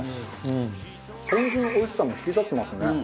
ポン酢のおいしさも引き立ってますね。